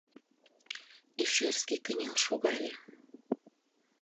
Ишерский кынел шогале.